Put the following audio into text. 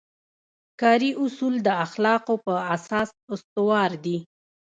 کاري اصول د اخلاقو په اساس استوار دي.